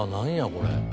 これ。